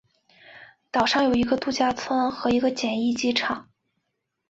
岛上有一个度假村和一个简易机场。